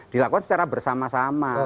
dilakukan secara bersama sama